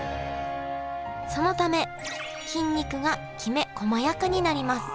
そのため筋肉がきめこまやかになります。